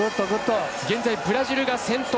現在、ブラジルが先頭。